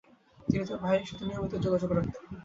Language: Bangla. তিনি তার বাহিনীর সাথে নিয়মিত যোগাযোগ রাখতেন।